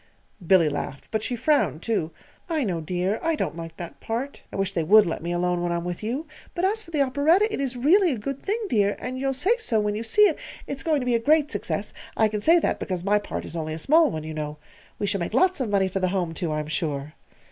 Billy laughed, but she frowned, too. "I know, dear; I don't like that part. I wish they would let me alone when I'm with you! But as for the operetta, it is really a good thing, dear, and you'll say so when you see it. It's going to be a great success I can say that because my part is only a small one, you know. We shall make lots of money for the Home, too, I'm sure."